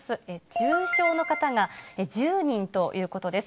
重症の方が１０人ということです。